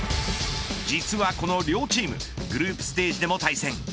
実はこの両チームグループステージでも対戦。